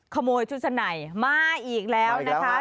ขโมยชุดชั้นในมาอีกแล้วนะคะ